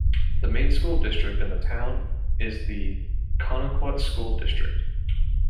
The main school district in the town is the Connetquot School District.